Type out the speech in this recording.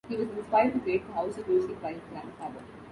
He was inspired to create the House of Music by his grandfather.